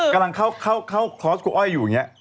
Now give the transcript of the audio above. กำลังเข้าคลอสครูอ้อยอยู่อย่างนี้